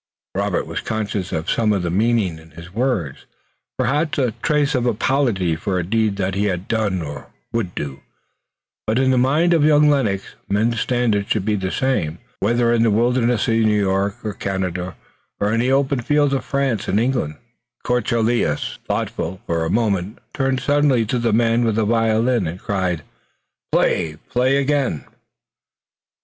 Robert was conscious of some meaning in his words, perhaps a trace of apology for a deed that he had done or would do, but in the mind of young Lennox men's standards should be the same, whether in the wilderness of New York and Canada or in the open fields of France and England. De Courcelles, thoughtful for a moment, turned suddenly to the man with the violin and cried: "Play! Play again!"